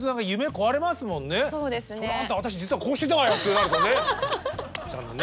「それあんた私実はこうしてたわよ」ってなるとね。